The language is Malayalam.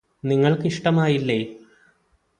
നിങ്ങൾക്ക് ഇഷ്ടമായില്ലേ